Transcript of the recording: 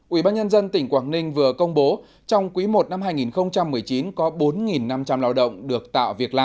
ubnd tỉnh quảng ninh vừa công bố trong quý i năm hai nghìn một mươi chín có bốn năm trăm linh lao động được tạo việc làm